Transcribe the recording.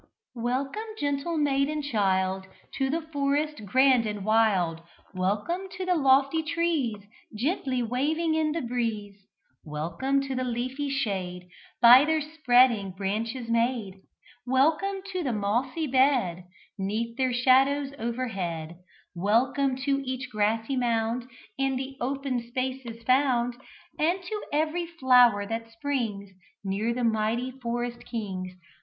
"Welcome, gentle maiden child, To the forest grand and wild: Welcome to the lofty trees Gently waving in the breeze: Welcome to the leafy shade, By their spreading branches made: Welcome to the mossy bed, 'Neath their shadows overhead: Welcome to each grassy mound In the open spaces found, And to every flower that springs Near the mighty forest kings.